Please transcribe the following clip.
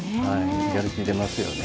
やる気出ますよね。